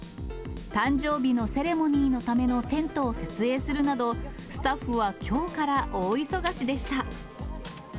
誕生日のセレモニーのためのテントを設営するなど、スタッフはきょうから大忙しでした。